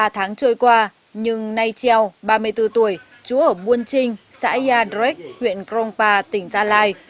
ba mươi bốn tuổi chúa ở buôn trinh xã yadrek huyện krongpa tỉnh gia lai